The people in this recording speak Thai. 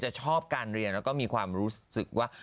ชอบการเรียนแล้วก็มีความรู้สึกว่า